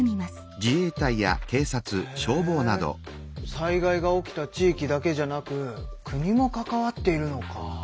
災害が起きた地域だけじゃなく国も関わっているのか。